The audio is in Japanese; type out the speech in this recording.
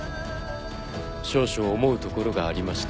少々思うところがありまして。